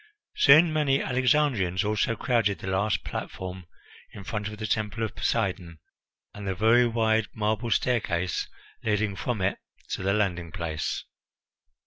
Soon many Alexandrians also crowded the large platform in front of the Temple of Poseidon, and the very wide marble staircase leading from it to the landing place.